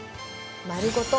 丸ごと